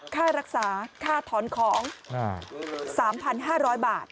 ค่ารักษาค่าถอนของ๓๕๐๐บาท